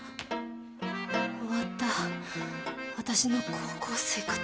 終わった私の高校生活。